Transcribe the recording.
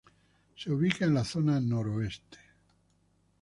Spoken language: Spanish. Se ubica en la zona noroeste.